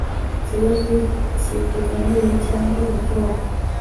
ikibazo kigukomereye cyangwa ubwoba